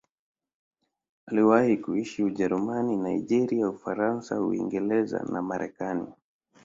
Aliwahi kuishi Ujerumani, Nigeria, Ufaransa, Uingereza na Marekani.